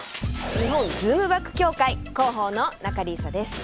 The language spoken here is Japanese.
日本ズームバック協会広報の仲里依紗です。